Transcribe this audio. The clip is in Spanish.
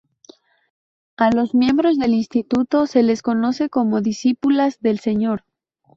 A los miembros del instituto se les conoce como discípulas del Señor.